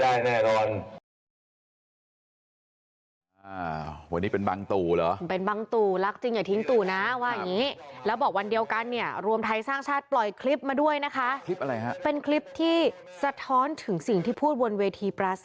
อะไรก็เป็นตรงนี้อะไรก็เป็นตรงนี้หมดเลย